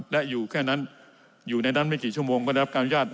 และอยู่แค่นั้นแค่นั้นก็ได้รับการรับการยอด